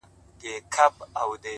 o کلونه کيږي چي ولاړه يې روانه نه يې ـ